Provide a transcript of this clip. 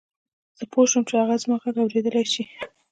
زه پوه شوم چې هغه زما غږ اورېدلای شي.